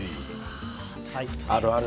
あるある。